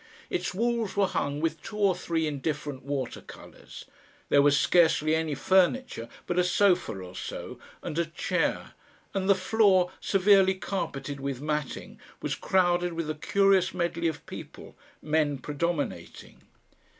Its walls were hung with two or three indifferent water colours, there was scarcely any furniture but a sofa or so and a chair, and the floor, severely carpeted with matting, was crowded with a curious medley of people, men predominating.